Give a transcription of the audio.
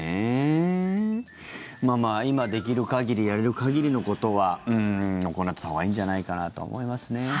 今、できる限りやれる限りのことは行っていったほうがいいんじゃないかと思いますね。